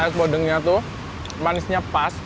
es bodengnya tuh manisnya pas